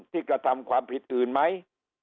กระทำความผิดอื่นไหม